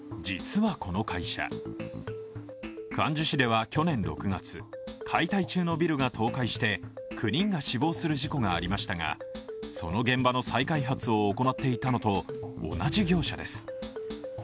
市では去年６月解体中のビルが倒壊して、９人が死亡する事故がありましたがその現場の再開発を行っていたのと同じ業者です。